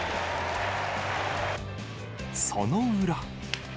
その裏。